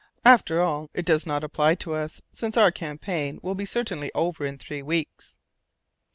"After all, it does not signify to us, since our campaign will certainly be over in three weeks."